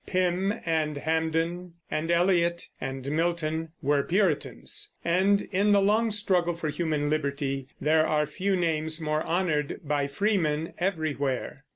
Pym and Hampden and Eliot and Milton were Puritans; and in the long struggle for human liberty there are few names more honored by freemen everywhere.